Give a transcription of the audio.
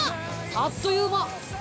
あっという間。